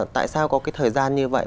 tại sao có cái thời gian như vậy